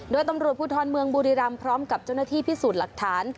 โดยตำรวจภูทรเมืองบุรีรำพร้อมกับเจ้าหน้าที่พิสูจน์หลักฐาน